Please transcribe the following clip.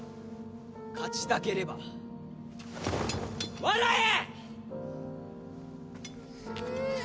勝ちたければ笑え！